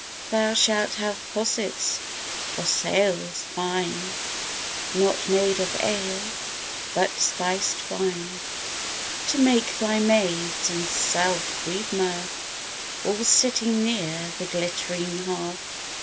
Thou shalt have possets, wassails fine, Not made of ale, but spiced wine; To make thy maids and self free mirth, All sitting near the glitt'ring hearth.